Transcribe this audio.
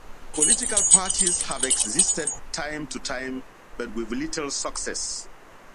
Political parties have existed from time to time, but with little success.